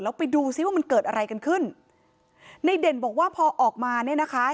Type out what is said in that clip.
แล้วไปดูซิว่ามันเกิดอะไรกันขึ้นในเด่นบอกว่าพอออกมาเนี่ยนะคะ